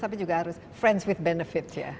tapi juga harus friends with benefit ya